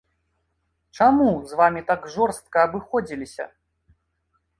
Чаму з вамі так жорстка абыходзіліся?